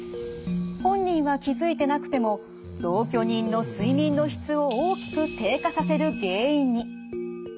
本人は気付いてなくても同居人の睡眠の質を大きく低下させる原因に。